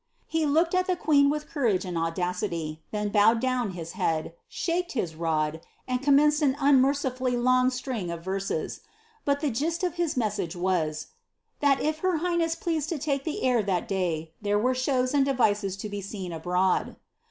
He looked at the queen with courage and audacity, then bowed down his head, ^shaked his rod," and commenced an unmercifully long ftring of verses ; but the fist of his message was, ^ that if her highness pleased to take the air that day, there were shows and devices to be seen abroad."